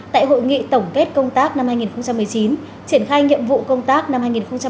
tại hội nghị tổng kết công tác năm hai nghìn một mươi chín triển khai nhiệm vụ công tác năm hai nghìn hai mươi